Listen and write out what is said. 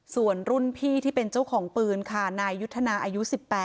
ส่วนรุ่นพี่ที่เป็นเจ้าของปืนค่ะนายยุทธนาอายุ๑๘